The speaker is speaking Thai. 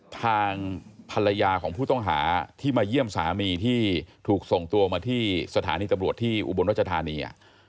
ทางภรรยาของผู้ต้องหาที่มาเยี่ยมสามีที่ถูกส่งตัวมาที่สถานีตำรวจที่อุบลรัชธานี